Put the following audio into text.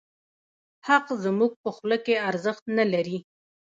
حق زموږ په خوله کې ارزښت نه لري.